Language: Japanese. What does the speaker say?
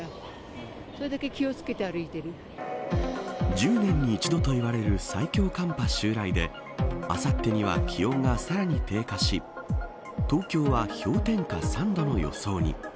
１０年に一度といわれる最強寒波襲来であさってには気温がさらに低下し東京は氷点下３度の予想に。